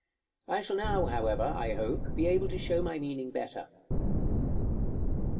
I shall now, however, I hope, be able to show my meaning better.